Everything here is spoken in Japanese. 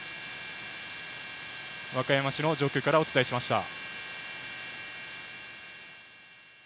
和歌山市の上空からお伝えしました。